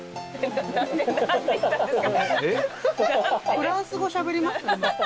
フランス語しゃべりました？